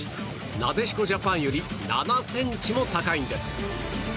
なでしこジャパンより７ｃｍも高いんです。